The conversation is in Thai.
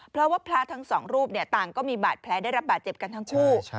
พระผ้าทั้งสองรูปต่างก็มีบาทแพ้ได้รับบาทเจ็บกันทั้งคู่